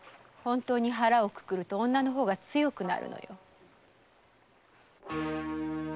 本当に肚をくくると女の方が強くなるのよ。